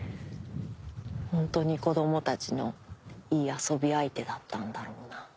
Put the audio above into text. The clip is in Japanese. ホントに子供たちのいい遊び相手だったんだろうな。